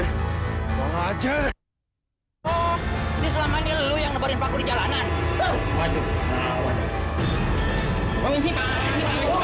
hai belajar oh selama ini lu yang nebari paku di jalanan tuh wajib